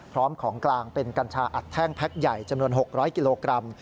ของกลางเป็นกัญชาอัดแท่งแพ็คใหญ่จำนวน๖๐๐กิโลกรัม